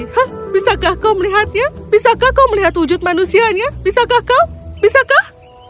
hah bisakah kau melihatnya bisakah kau melihat wujud manusianya bisakah kau bisakah